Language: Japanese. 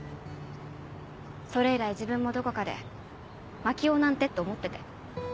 それ以来自分もどこかで槙尾なんてって思ってて。